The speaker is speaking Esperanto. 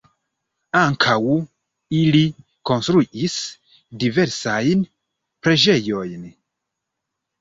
Ankaŭ ili konstruis diversajn preĝejojn.